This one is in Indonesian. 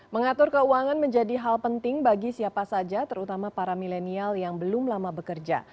mengatur keuangan menjadi hal penting bagi siapa saja terutama para milenial yang belum lama bekerja